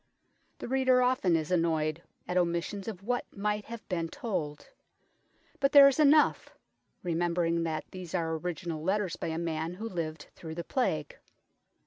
The reader often is annoyed at omissions of what might have been told ; but there is enough, remembering that these are original letters by a man who lived through the Plague.